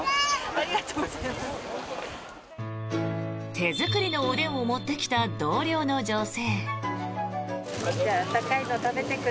手作りのおでんを持ってきた同僚の女性。